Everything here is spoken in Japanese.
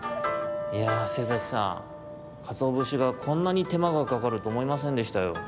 いや瀬崎さんかつおぶしがこんなにてまがかかるとおもいませんでしたよ。